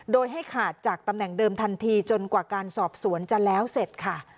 โดยให้ขาดจากตำแหน่งเดิมทันทีจนกว่าการสอบสวนจะแล้วเสร็จค่ะ